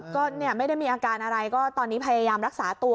ก็เนี่ยไม่ได้มีอาการอะไรก็ตอนนี้พยายามรักษาตัว